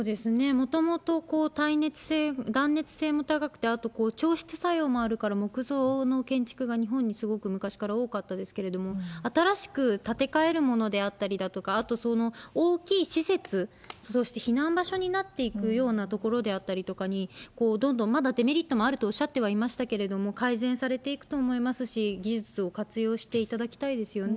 もともと耐熱性、断熱性も高くて、あと、調湿作用もあるから、木造の建築が日本にすごく昔から多かったんですけれども、新しく建て替えるものであったりとか、あと大きい施設、そして避難場所になっていくような場所に、どんどんまだデメリットもあるとおっしゃってはいましたけれども、改善されていくと思いますし、技術を活用していただきたいですよね。